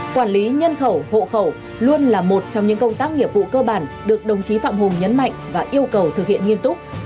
quản lý nhân khẩu hộ khẩu luôn là một trong những công tác nghiệp vụ cơ bản được đồng chí phạm hùng nhấn mạnh và yêu cầu thực hiện nghiêm túc